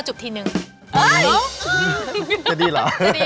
จะดีเหรอ